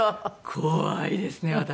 怖いですね私。